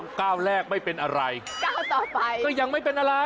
ก้าวแรกไม่เป็นอะไรก้าวต่อไปก็ยังไม่เป็นอะไร